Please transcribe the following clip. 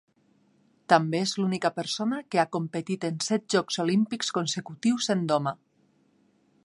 També és l'única persona que ha competit en set jocs olímpics consecutius en doma.